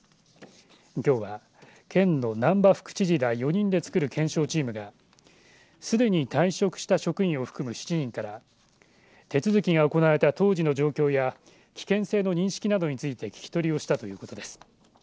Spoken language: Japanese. きょうは県の難波副知事ら４人で作る検証チームがすでに退職した職員を含む７人から手続きが行われた当時の状況や危険性の認識などについて聞き取りをしたということです。